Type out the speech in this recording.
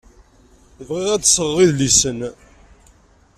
Bɣiɣ ad d-sɣeɣ idlisen.